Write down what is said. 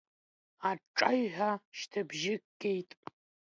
Аҿаҩ ҳәа шьҭыбжьык геит.